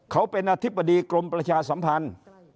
เขาเป็นอธิบดีกรมประชาสัมพันธ์